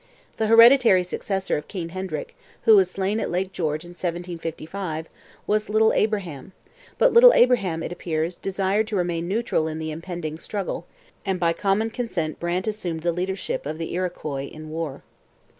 The hereditary successor of King Hendrick, who was slain at Lake George in 1755, was Little Abraham; but Little Abraham, it appears, desired to remain neutral in the impending struggle, and by common consent Brant assumed the leadership of the Iroquois in war.